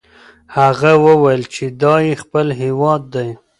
هغه وویل چې دا یې خپل هیواد دی.